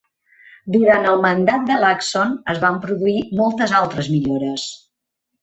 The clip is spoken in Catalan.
Durant el mandat de Lacson es van produir moltes altres millores.